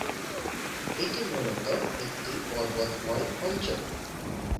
এটি মূলত একটি পর্বতময় অঞ্চল।